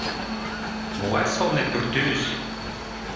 Могай сылне пӱртӱс!